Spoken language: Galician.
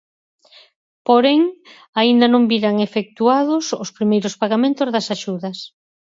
Porén, aínda non viran efectuados os primeiros pagamentos das axudas.